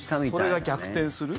それが逆転する。